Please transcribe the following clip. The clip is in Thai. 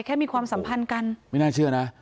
มีความสัมพันธ์กันไม่น่าเชื่อนะ